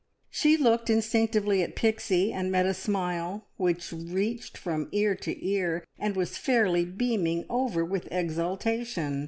She looked instinctively at Pixie, and met a smile which reached from ear to ear, and was fairly beaming over with exultation.